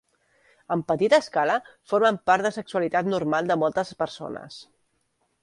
En petita escala formen part de sexualitat normal de moltes persones.